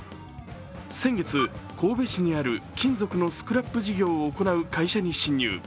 先月、神戸市にある金属のスクラップ事業を行う会社に侵入。